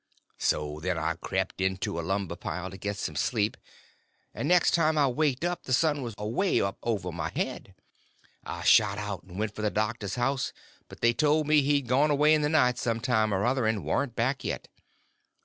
So then I crept into a lumber pile to get some sleep; and next time I waked up the sun was away up over my head! I shot out and went for the doctor's house, but they told me he'd gone away in the night some time or other, and warn't back yet.